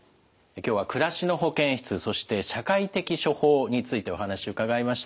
今日は「暮らしの保健室」そして「社会的処方」についてお話伺いました。